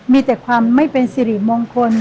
มีแต่ความไม่เป็นสิริมงคล